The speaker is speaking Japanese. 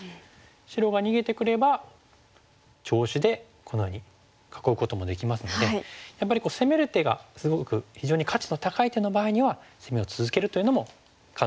白が逃げてくれば調子でこのように囲うこともできますのでやっぱり攻める手がすごく非常に価値の高い手の場合には攻めを続けるというのも可能なんですよね。